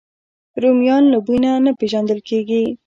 رومیان له بوی نه پېژندل کېږي